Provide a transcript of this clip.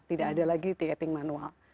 tidak ada lagi tiketing manual